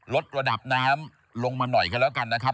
ลดระดับน้ำลงมาหน่อยกันแล้วกันนะครับ